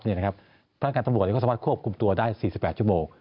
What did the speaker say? พนักงานตำรวจก็สามารถควบคุมตัวได้๔๘ชั่วโมง